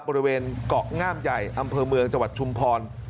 บริเวณเกาะงามใหญ่อำเภอเมืองจังหวัดชุมพร